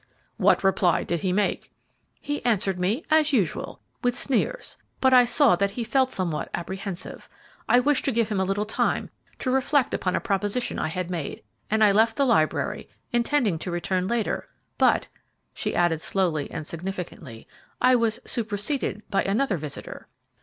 "What reply did he make?" "He answered me, as usual, with sneers; but I saw that he felt somewhat apprehensive. I wished to give him a little time to reflect upon a proposition I had made, and I left the library, intending to return later; but," she added, slowly and significantly, "I was superseded by another visitor."